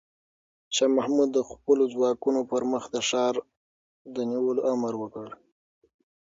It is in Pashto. شاه محمود د خپلو ځواکونو پر مخ د ښار د نیولو امر وکړ.